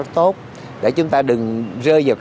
tốt để chúng ta đừng rơi vào